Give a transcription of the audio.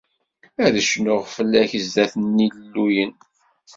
Ad cnuɣ fell-ak zdat n yilluyen.